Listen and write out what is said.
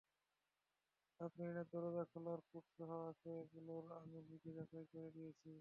সাবমেরিনের দরজা খোলার কোডসহ আছে, ওগুলো আমি নিজে যাচাই করে দিয়েছি।